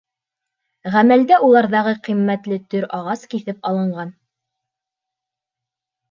Ғәмәлдә уларҙағы ҡиммәтле төр ағас киҫеп алынған.